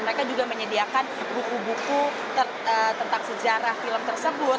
mereka juga menyediakan buku buku tentang sejarah film tersebut